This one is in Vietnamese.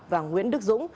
và nguyễn đức dũng